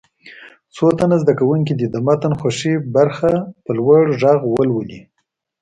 څو تنه زده کوونکي دې د متن خوښې برخه په لوړ غږ ولولي.